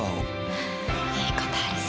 はぁいいことありそう。